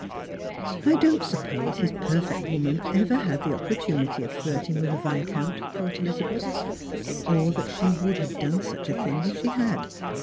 " I don't suppose his perfect woman ever had the opportunity of flirting with a viscount," thought Elizabeth, " or that she would have done such a thing if she had.